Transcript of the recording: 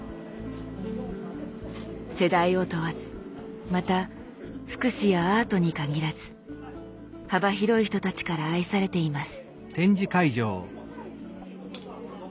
世代を問わずまた福祉やアートに限らず幅広い人たちから愛されています。